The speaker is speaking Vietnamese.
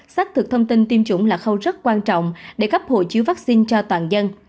xác thực thông tin tiêm chủng là khâu rất quan trọng để cấp hộ chiếu vaccine cho toàn dân